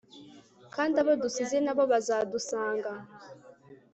Kandi abo dusize nabo bazadusanga